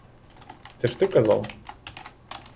Це ж ти казав?